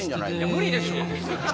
無理でしょう